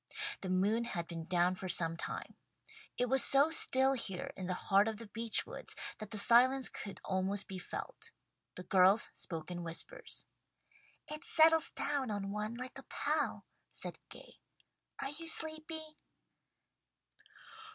The moon had been down for some time. It was so still here in the heart of the beech woods that the silence could almost be felt. The girls spoke in whispers. "It settles down on one like a pall," said Gay. "Are you sleepy?"